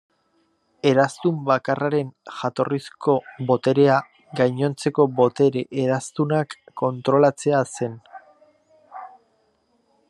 Eraztun Bakarraren jatorrizko boterea gainontzeko Botere Eraztunak kontrolatzea zen.